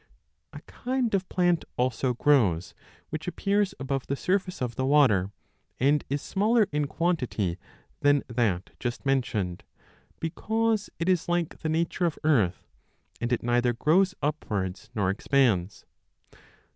A kind of plant also grows which appears above the surface 30 of the water and is smaller in quantity than that just mentioned, because it is like the nature of earth, and it neither grows upwards nor expands.